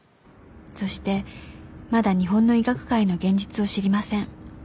そしてまだ日本の医学界の現実を知りません。